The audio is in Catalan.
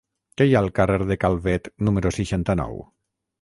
Què hi ha al carrer de Calvet número seixanta-nou?